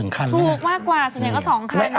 ถูกมากกว่าส่วนใหญ่ก็๒คัน